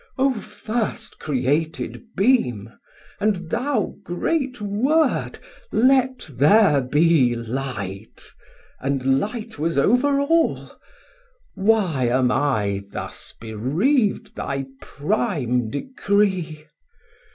O first created Beam, and thou great Word, Let there be light, and light was over all; Why am I thus bereav'd thy prime decree?